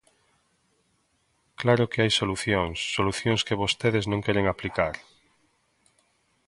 Claro que hai solucións, solucións que vostedes non queren aplicar.